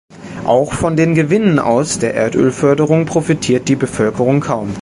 Auch von den Gewinnen aus der Erdölförderung profitiert die Bevölkerung kaum.